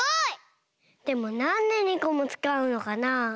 でもなんで２こもつかうのかなあ？